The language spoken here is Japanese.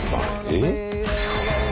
えっ？